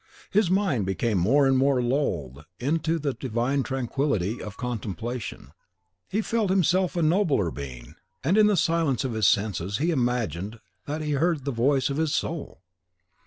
His mind became more and more lulled into the divine tranquillity of contemplation; he felt himself a nobler being, and in the silence of his senses he imagined that he heard the voice of his soul.